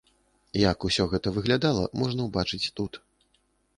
Як усё гэта выглядала, можна ўбачыць тут.